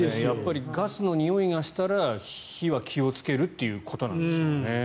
ガスのにおいがしたら火は気をつけるということでしょうね。